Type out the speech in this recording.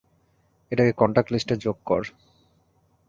ঐটাকে কন্টাক্ট লিস্টে যোগ কর।